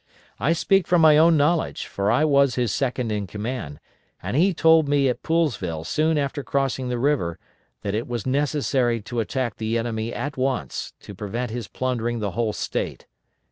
I speak from my own knowledge, for I was his second in command, and he told me at Poolesville soon after crossing the river, that it was necessary to attack the enemy at once, to prevent his plundering the whole State.